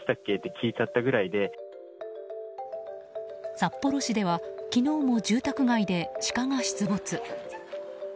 札幌市では昨日も住宅街でシカが出没。